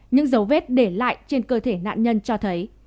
những dấu vết để lại trên cơ thể nạn nhân cho thấy